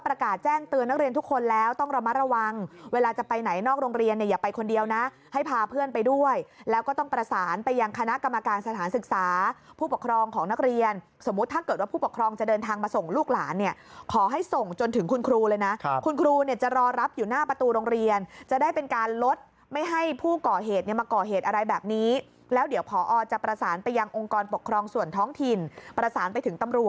พอพอพอพอพอพอพอพอพอพอพอพอพอพอพอพอพอพอพอพอพอพอพอพอพอพอพอพอพอพอพอพอพอพอพอพอพอพอพอพอพอพอพอพอพ